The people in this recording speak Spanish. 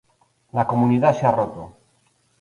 La comunidad se ha roto.